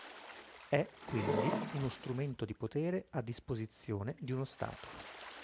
È, quindi, uno strumento di potere a disposizione di uno Stato.